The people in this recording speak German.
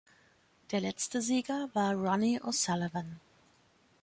Der letzte Sieger war Ronnie O‘Sullivan.